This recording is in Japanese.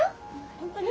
本当に？